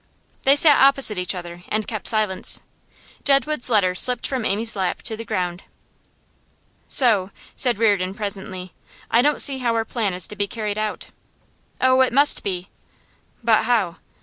They sat opposite each other, and kept silence. Jedwood's letter slipped from Amy's lap to the ground. 'So,' said Reardon, presently, 'I don't see how our plan is to be carried out.' 'Oh, it must be!' 'But how?